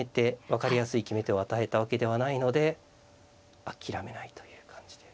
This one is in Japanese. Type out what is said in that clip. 分かりやすい決め手を与えたわけではないので諦めないという感じで。